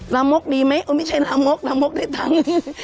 ลามกดีไหมไม่ใช่ลามกลามกได้ตังค์